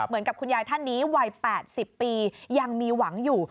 คุณยายท่านนี้วัย๘๐ปียังมีหวังอยู่